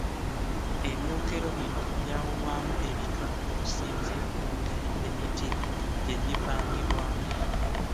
Ebyokero bino byawulwamu ebika okusinziira ku ngeri emiti gye gipangibwamu.